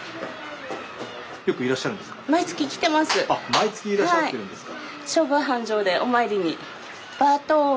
毎月いらっしゃってるんですか。